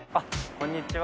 こんにちは。